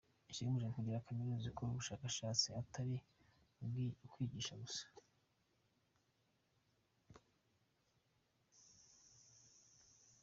Ikigamijwe ni ukugira Kaminuza ikora ubushakashatsi atari ukwigisha gusa.